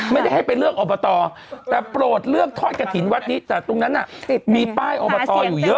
ไม่ได้ให้ไปเลือกอบตแต่โปรดเลือกทอดกระถิ่นวัดนี้แต่ตรงนั้นน่ะมีป้ายอบตอยู่เยอะ